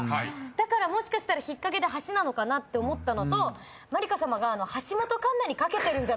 だからもしかしたら引っ掛けで橋なのかなって思ったのとまりかさまが「橋本環奈に掛けているんじゃないかな」と。